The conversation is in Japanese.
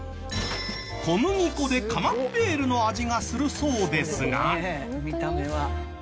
小麦粉でカマンベールの味がするそうですが。